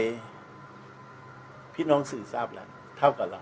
เป็นตัวเลขอะไรพินองศ์สื่อทราบแล้วเท่ากับเรา